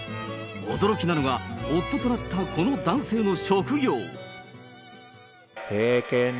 驚きなのが、夫となったこの男性の職業。